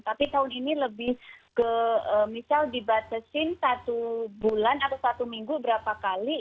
tapi tahun ini lebih ke misal dibatasin satu bulan atau satu minggu berapa kali